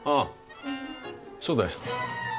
そうだよ。